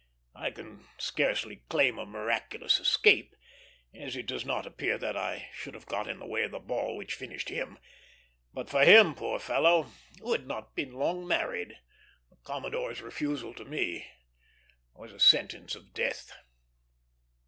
I can scarcely claim a miraculous escape, as it does not appear that I should have got in the way of the ball which finished him; but for him, poor fellow, who had not been long married, the commodore's refusal to me was a sentence of death.